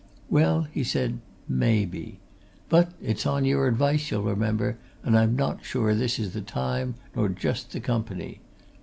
"Well," he said. "Maybe. But it's on your advice, you'll remember, and I'm not sure this is the time, nor just the company.